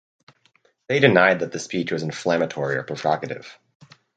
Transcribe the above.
They denied that the speech was inflammatory or provocative.